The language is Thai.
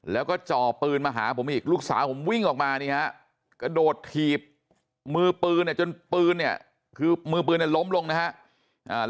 แล้วก็จ่อปืนมาหาผมอีกลูกสาวผมวิ่งออกมานี่ฮะกระโดดถีบมือปืนเนี่ยจนปืนเนี่ยคือมือปืนเนี่ยล้มลงนะครับ